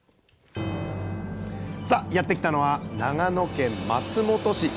さあやって来たのは長野県松本市。